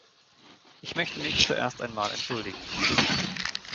Ich möchte mich zuerst einmal entschuldigen.